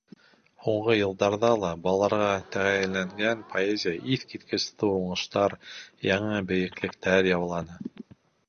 Һуңғы йылдарҙа ла балаларға тәғәйенләнгән поэзия иҫ киткес ҙур уңыштар, яңы бейеклектәр яуланы.